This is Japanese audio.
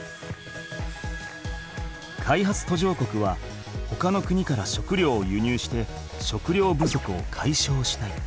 開発途上国はほかの国から食料を輸入して食料不足をかいしょうしたい。